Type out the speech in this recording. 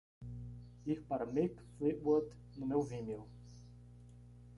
Ir para Mick Fleetwood no meu Vimeo